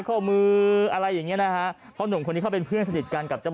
โอ้มายก๊อด